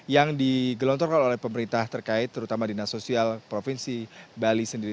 yang digelontorkan oleh pemerintah terkait terutama dinas sosial provinsi bali sendiri